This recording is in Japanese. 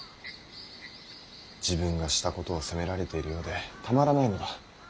自分がしたことを責められているようでたまらないのだ。